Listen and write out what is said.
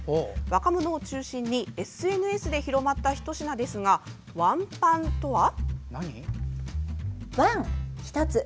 若者を中心にＳＮＳで広まったひと品ですが、ワンパンとは？